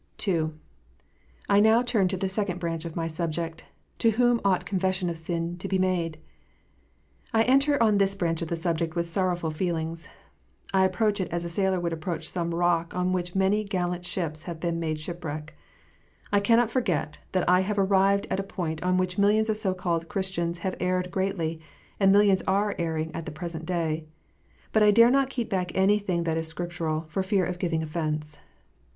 CONFESSION. 265 II. I now turn to the second branch of my subject : To wliom ought confession of sin to be made ? I enter on this branch of the subject with sorrowful feelings. I approach it as a sailor would approach some rock on which many gallant ships have made shipwreck. I cannot forget that I have arrived at a point on which millions of so called Chris tians have erred greatly, and millions are erring at the present day. But I dare not keep back anything that is Scriptural, for fear of giving offence.